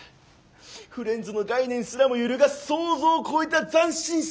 フレンズの概念すらも揺るがす想像を超えた斬新さ。